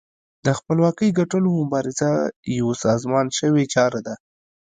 د خپلواکۍ ګټلو مبارزه یوه سازمان شوې چاره وه.